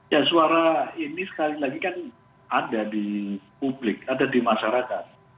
ya suara ini sekali lagi kan ada di publik ada di masyarakat